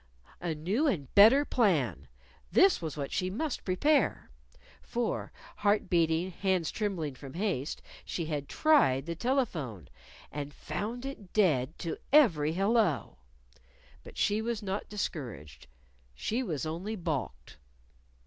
A new and a better plan! this was what she must prepare. For heart beating, hands trembling from haste she had tried the telephone and found it dead to every Hello! But she was not discouraged. She was only balked.